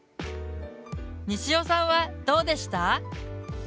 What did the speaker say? にしおさんはどうでした？